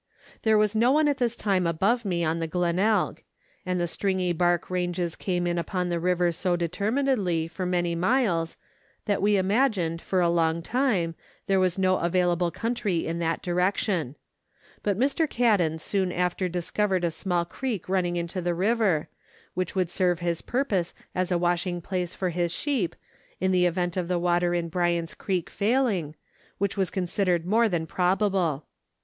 There was no one at this time above me on the Glenelg ; and the stringy bark ranges came in upon the river so determinedly for many miles that we imagined, for a long time, there was no avail able country in that direction; but Mr. Cadden soon after discovered 176 Letters from Victorian Pioneers. a small creek running into the river, which would serve his pur pose as a washing place for his sheep, in the event of the water in Bryant's Creek failing, which was considered more than probable.